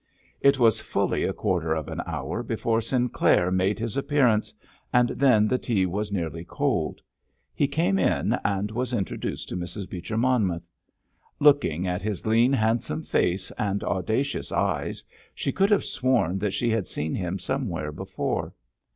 It was fully a quarter of an hour before Sinclair made his appearance, and then the tea was nearly cold. He came in, and was introduced to Mrs. Beecher Monmouth. Looking at his lean, handsome face and audacious eyes she could have sworn that she had seen him somewhere before.